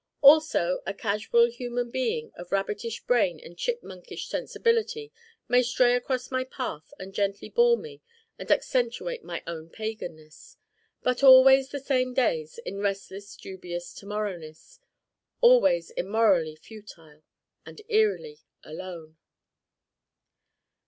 Also a casual human being of rabbitish brain and chipmunkish sensibility may stray across my path and gently bore me and accentuate my own paganness. But always the same days in restless dubious To morrowness. Always immorally futile. And eerily alone.